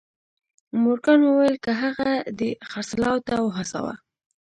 مورګان وويل که هغه دې خرڅلاو ته وهڅاوه.